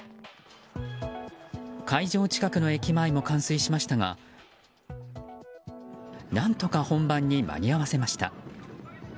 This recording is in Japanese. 会場近くの駅前も冠水しましたが何とか本番に間に合わせました。